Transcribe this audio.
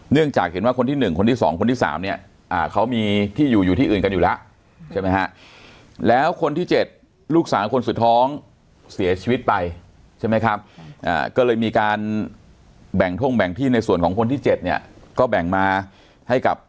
จากเห็นว่าคนที่๑คนที่๒คนที่๓เนี่ยเขามีที่อยู่อยู่ที่อื่นกันอยู่แล้วใช่ไหมฮะแล้วคนที่๗ลูกสาวคนสุดท้องเสียชีวิตไปใช่ไหมครับก็เลยมีการแบ่งท่งแบ่งที่ในส่วนของคนที่๗เนี่ยก็แบ่งมาให้กับ